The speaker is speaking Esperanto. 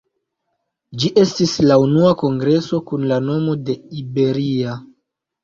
Ĝi estis la unua kongreso kun la nomo de Iberia.